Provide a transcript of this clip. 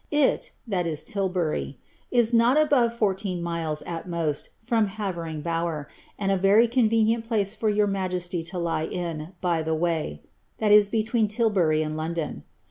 It (Tilbury) is not above fourteen miles, at most, from Havering Bower, and a very convenient place for your majesty to lie in by the way, (between Tilbury and London.)